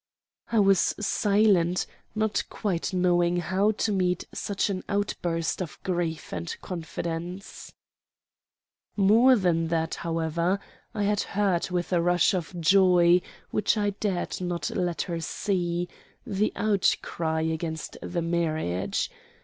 I was silent, not quite knowing how to meet such an outburst of grief and confidence. More than that, however: I had heard with a rush of joy, which I dared not let her see, the outcry against the marriage.